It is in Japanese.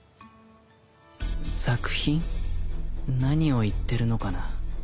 何を言ってるのかな。